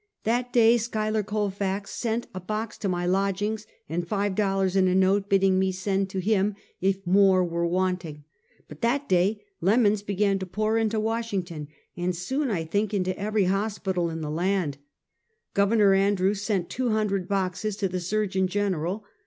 That day Schuyler Colfax sent a box to my lodgings, and five dollars in a note, bidding me send to him if more were wanting; but that day lemons began to pour into Washington, and soon, I think, into every hospital in the laud. Gov. Andrews sent two hundred boxes to the Surgeon Gen eral.